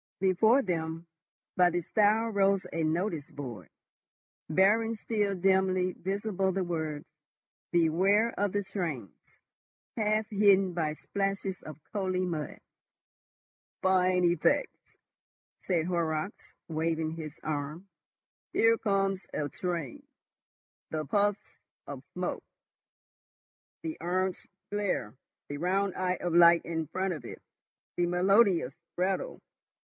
Before them, by the stile rose a notice board, bearing still dimly visible, the words, "BEWARE OF THE TRAINS," half hidden by splashes of coaly mud. "Fine effects," said Horrocks, waving his arm. "Here comes a train. The puffs of smoke, the orange glare, the round eye of light in front of it, the melodious rattle.